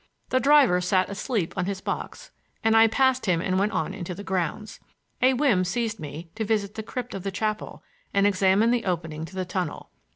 The driver sat asleep on his box, and I passed him and went on into the grounds. A whim seized me to visit the crypt of the chapel and examine the opening to the tunnel.